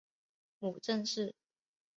母郑氏。